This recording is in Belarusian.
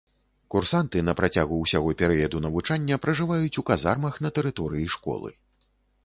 Курсанты на працягу ўсяго перыяду навучання пражываюць у казармах на тэрыторыі школы.